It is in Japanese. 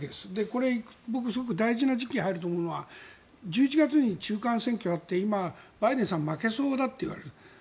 これ、僕、すごく大事な時期に入ると思うのは１１月に中間選挙があって今、バイデンさんは負けそうだといわれている。